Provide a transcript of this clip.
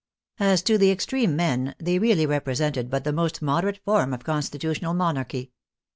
As to the extreme men, they really represented but the most moderate form of constitutional monarchy.